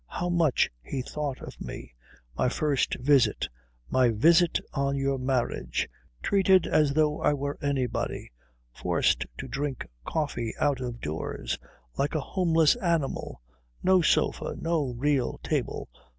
How much he thought of me. My first visit. My visit on your marriage. Treated as though I were anybody. Forced to drink coffee out of doors. Like a homeless animal. No sofa. No real table.